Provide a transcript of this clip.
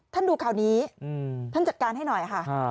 ดูข่าวนี้ท่านจัดการให้หน่อยค่ะ